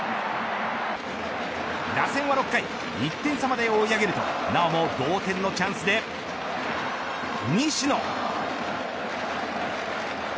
打線は６回１点差まで追い上げるとなおも同点のチャンスで西野。